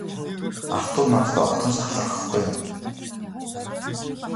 Артур надад огтхон ч талархахгүй юм.